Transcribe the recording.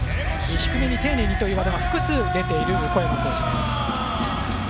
低めに丁寧にというワードが複数出ている小山コーチです。